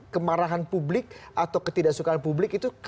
kemarahan publik atau ketidaksukaan publik itu